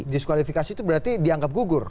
diskualifikasi itu berarti dianggap gugur